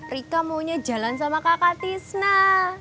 rika maunya jalan sama kakak tisna